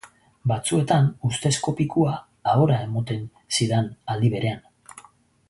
Batzuetan ustezko pikua ahora emoten zidan aldi berean.